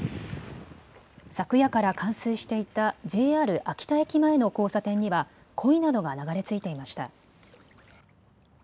昨夜から冠水していたＪＲ秋田駅前の交差点にはコイなどが流れ着いていました。